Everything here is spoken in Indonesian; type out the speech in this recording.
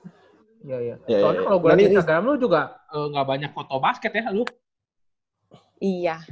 soalnya kalo gue liat instagram lu juga nggak banyak foto basket ya lu